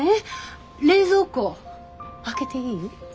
冷蔵庫開けていい？